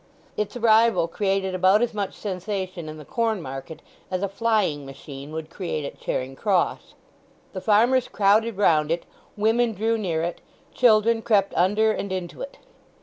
Its arrival created about as much sensation in the corn market as a flying machine would create at Charing Cross. The farmers crowded round it, women drew near it, children crept under and into it.